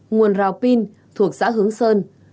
nguồn rào pin thuộc xã hướng sơn